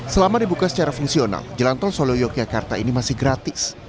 selama dibuka secara fungsional jalan tol solo yogyakarta ini masih gratis